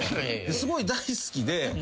すごい大好きで。